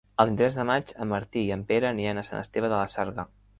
El vint-i-tres de maig en Martí i en Pere aniran a Sant Esteve de la Sarga.